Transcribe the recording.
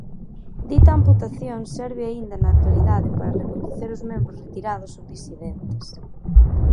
Dita amputación serve aínda na actualidade para recoñecer os membros retirados ou disidentes.